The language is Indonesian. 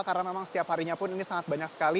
karena memang setiap harinya pun ini sangat banyak sekali